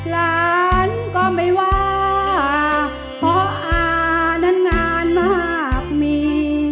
หลานก็ไม่ว่าเพราะอานั้นงานมากมี